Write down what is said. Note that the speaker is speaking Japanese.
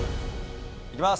行きます。